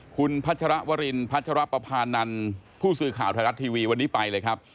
คุณพัชรวรินพัชรปภานันผู้สื่อข่าวไทยรัฐทีวีวันนี้ไปเลยครับ